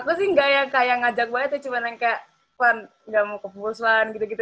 aku sih gak yang kayak ngajak banget cuma yang kayak kan gak mau ke bolsuan gitu gitu